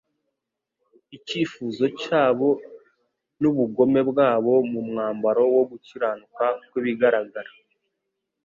icyifuzo cyabo n'ubugome bwabo mu mwambaro wo gukiranuka kw'ibigaragara.